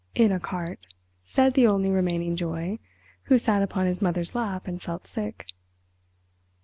"In a cart," said the only remaining joy, who sat upon his mother's lap and felt sick.